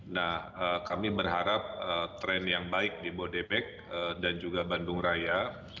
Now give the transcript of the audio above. nah kami berharap tren yang baik di bodebek dan juga bandung raya